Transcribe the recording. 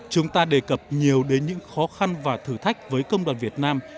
chúng ta đề cập nhiều đến những khó khăn và thử thách với công đoàn việt nam